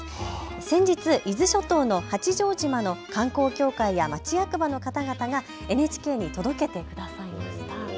先日、伊豆諸島の八丈島の観光協会や町役場の方々がＮＨＫに届けてくださいました。